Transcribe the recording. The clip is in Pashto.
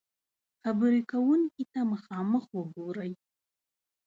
-خبرې کونکي ته مخامخ وګورئ